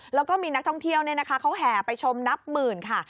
แล้วก็มีนักท่องเที่ยวเขาแห่ไปชมนับหมื่นค่ะ